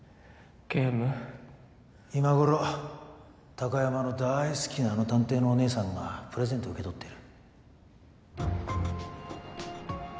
今頃貴山の大好きなあの探偵のおねえさんがプレゼントを受け取ってる。